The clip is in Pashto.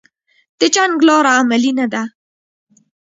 د جنګ لاره عملي نه ده